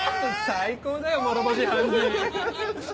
最高だよ諸星判事！